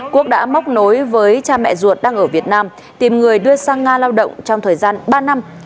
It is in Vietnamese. quốc đã móc nối với cha mẹ ruột đang ở việt nam tìm người đưa sang nga lao động trong thời gian ba năm